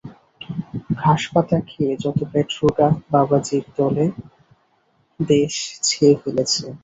ঘাসপাতা খেয়ে যত পেটরোগা বাবাজীর দলে দেশ ছেয়ে ফেলেছে।